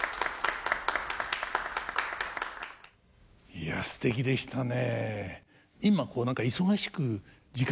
いやすてきでしたね。